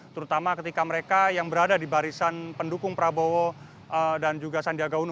terutama ketika mereka yang berada di barisan pendukung prabowo dan juga sandiaga uno